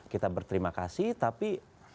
kita berterima kasih tapi